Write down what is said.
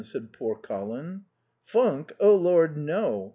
said poor Colin. "Funk? Oh, Lord no.